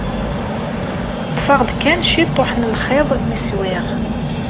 Ṭṭfeɣ-d kan ciṭuḥ n lxiḍ mi swiɣ.